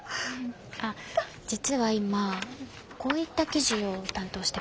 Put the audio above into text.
あっ実は今こういった記事を担当してまして。